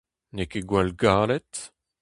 N'eo ket gwall galet.